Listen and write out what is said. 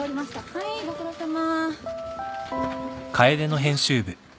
はいご苦労さま。